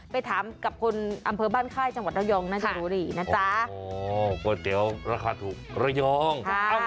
ไปถามกับคนอำเภอบ้านค่ายจังหวัดระยองน่าจะรู้ได้อีกนะจ๊ะก็เดี๋ยวราคาถูกระยอง